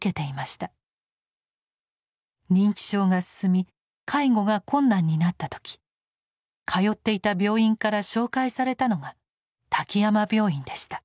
認知症が進み介護が困難になった時通っていた病院から紹介されたのが滝山病院でした。